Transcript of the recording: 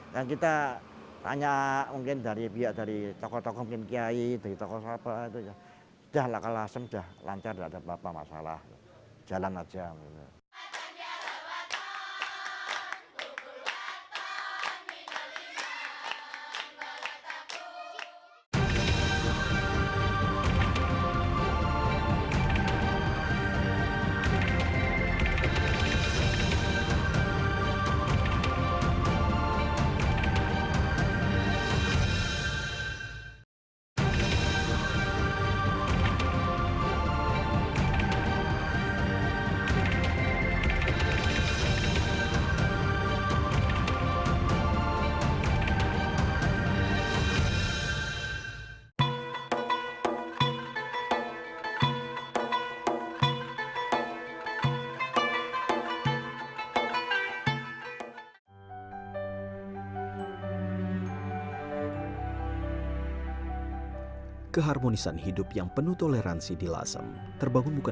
dan kita tanya mungkin dari biar dari tokoh tokoh mungkin kiai dari tokoh tokoh apa itu ya